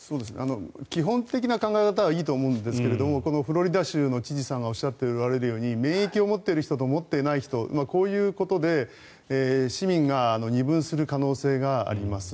基本的な考え方はいいと思うんですがこのフロリダ州の知事さんがおっしゃっているように免疫を持っている人と持っていない人とこういうことで市民が二分する可能性があります。